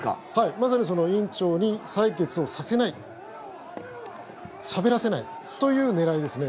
まさに委員長に採決をさせないしゃべらせないという狙いですね。